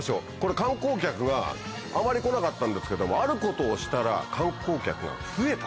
観光客があまり来なかったんですけどもあることをしたら観光客が増えた。